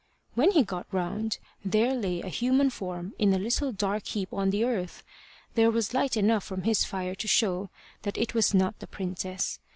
When he got round, there lay a human form in a little dark heap on the earth. There was light enough from his fire to show that it was not the princess.